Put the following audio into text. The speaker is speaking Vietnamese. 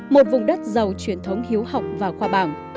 một vùng đất giàu truyền thống hiếu học và khoa bảng